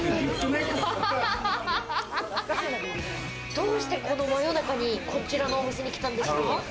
どうして、この真夜中にこちらのお店に来たんですか？